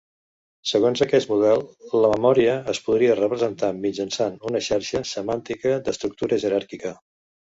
Segons aquest model, la memòria es podria representar mitjançant una xarxa semàntica d'estructura jeràrquica.